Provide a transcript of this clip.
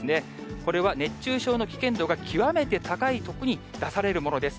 これは熱中症の危険度が極めて高い所に出されるものです。